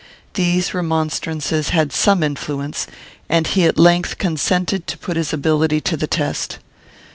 These remonstrances had some influence, and he at length consented to put his ability to the test.